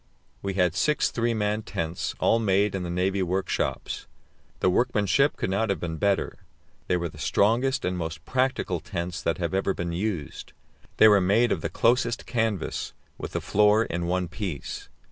We had six three man tents, all made in the navy workshops. The workmanship could not have been better; they were the strongest and most practical tents that have ever been used. They were made of the closest canvas, with the floor in one piece.